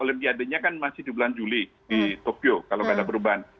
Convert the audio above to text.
olimpiade nya kan masih di bulan juli di tokyo kalau nggak ada perubahan